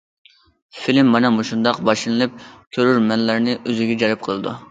فىلىم مانا مۇشۇنداق باشلىنىپ، كۆرۈرمەنلەرنى ئۆزىگە جەلپ قىلىدۇ.